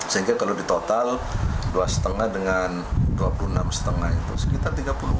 sehingga kalau di total dua lima dengan dua puluh enam lima itu sekitar tiga puluh